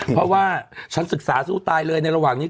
เพราะว่าฉันศึกษาสู้ตายเลยในระหว่างนี้